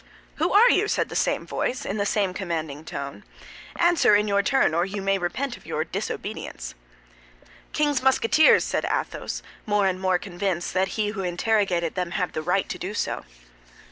"Who are you?" said the same voice, in the same commanding tone. "Answer in your turn, or you may repent of your disobedience." "King's Musketeers," said Athos, more and more convinced that he who interrogated them had the right to do so.